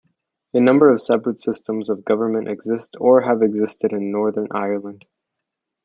A number of separate systems of government exist or have existed in Northern Ireland.